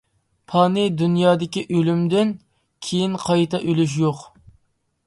پانىي دۇنيادىكى ئۆلۈمدىن كېيىن قايتا ئۆلۈش يوق.